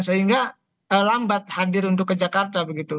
sehingga lambat hadir untuk ke jakarta begitu